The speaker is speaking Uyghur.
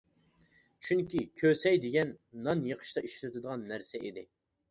چۈنكى «كۆسەي» دېگەن نان يېقىشتا ئىشلىتىلىدىغان نەرسە ئىدى.